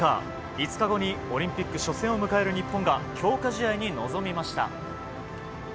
５日後にオリンピック初戦を迎える日本が強化試合に臨みました。